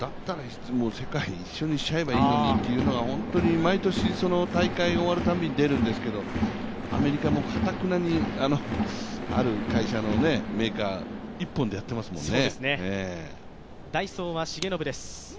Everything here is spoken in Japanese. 世界一緒にしちゃえばいいのにっていうのが大会終わるたびに出るんですけどアメリカもかたくなにある会社のメーカー、一本でやってますからね。